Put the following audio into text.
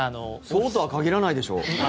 そうとは限らないでしょう。